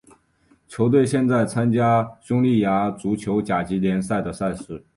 球队现在参加匈牙利足球甲级联赛的赛事。